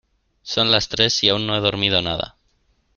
Son las tres y aún no he dormido nada.